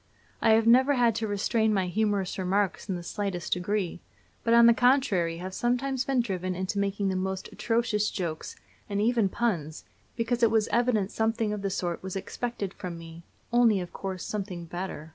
I have never had to restrain my humorous remarks in the slightest degree, but on the contrary have sometimes been driven into making the most atrocious jokes, and even puns, because it was evident something of the sort was expected from me only, of course, something better.